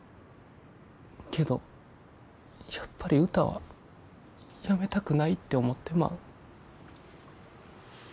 けどやっぱり歌はやめたくないって思ってまう。